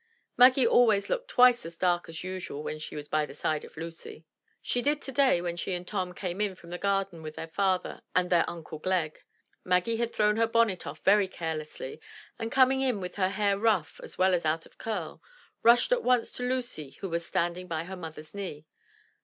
Maggie always looked twice as dark as usual when she was by the side of Lucy. She did today when she and Tom came in from the garden with their father and their uncle Glegg. Maggie had thrown her bonnet off very carelessly, and, coming in with her hair rough as well as out of curl, rushed at once to Lucy who was standing by her mother's knee.